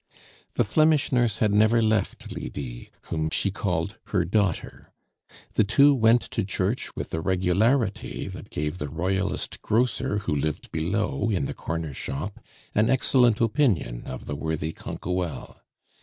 The Flemish nurse had never left Lydie, whom she called her daughter. The two went to church with a regularity that gave the royalist grocer, who lived below, in the corner shop, an excellent opinion of the worthy Canquoelle.